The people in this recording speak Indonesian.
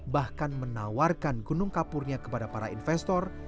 bahkan menawarkan gunung kapurnya kepada para investor